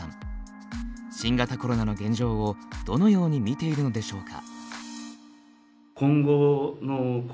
新型コロナの現状をどのように見ているのでしょうか。